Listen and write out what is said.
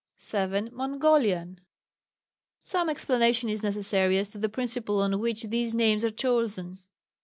7. Mongolian. Some explanation is necessary as to the principle on which these names are chosen.